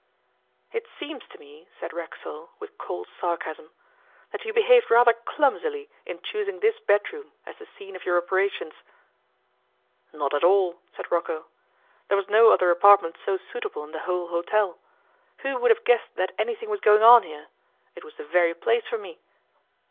'It seems to me,' said Racksole, with cold sarcasm, 'that you behaved rather clumsily in choosing this bedroom as the scene of your operations.' 'Not at all,' said Rocco. 'There was no other apartment so suitable in the whole hotel. Who would have guessed that anything was going on here? It was the very place for me.